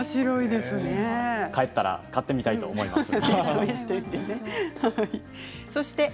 帰ったら買ってみたいと思います。